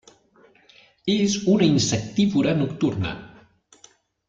És una insectívora nocturna.